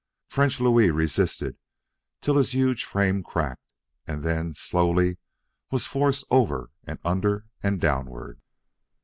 French Louis resisted till his huge frame crackled, and then, slowly, was forced over and under and downward.